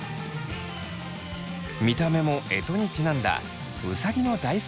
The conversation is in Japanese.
見た目も干支にちなんだうさぎの大福